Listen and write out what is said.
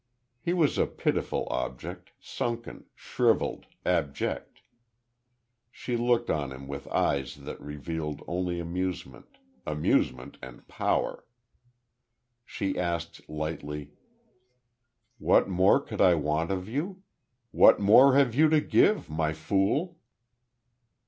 He was a pitiful object, sunken, shrivelled, abject. She looked on him with eyes that revealed only amusement amusement, and power. She asked, lightly: "What more could I want of you? What more have you to give, My Fool?"